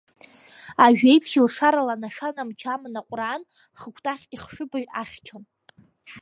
Ажәеиԥшь илшарала анашана мчы аман аҟәраан, Хыкәтаӷь ихшыбаҩ ахьчон.